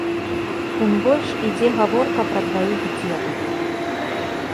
Тым больш, ідзе гаворка пра дваіх дзетак.